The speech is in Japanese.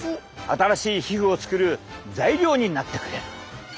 新しい皮膚を作る材料になってくれる。